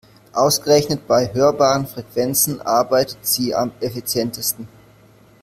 Ausgerechnet bei hörbaren Frequenzen arbeitet sie am effizientesten.